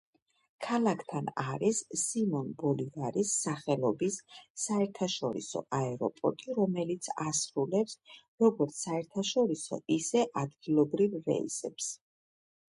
ქალაქთან არის სიმონ ბოლივარის სახელობის საერთაშორისო აეროპორტი, რომელიც ასრულებს როგორც საერთაშორისო, ისე ადგილობრივ რეისებს.